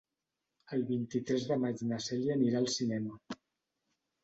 El vint-i-tres de maig na Cèlia anirà al cinema.